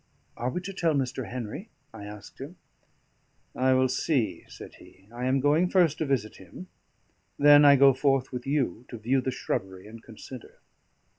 "Are we to tell Mr. Henry?" I asked him. "I will see," said he. "I am going first to visit him; then I go forth with you to view the shrubbery and consider."